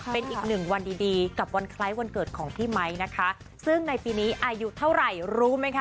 เป็นอีกหนึ่งวันดีดีกับวันคล้ายวันเกิดของพี่ไมค์นะคะซึ่งในปีนี้อายุเท่าไหร่รู้ไหมคะ